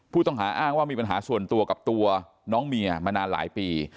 ผู้ต้องหาอ้างว่ามีปัญหาส่วนตัวกับตัวน้องเมียมานานหลายปี